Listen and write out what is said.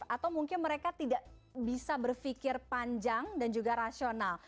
atau mungkin mereka tidak bisa berfikir panjang dan juga rasional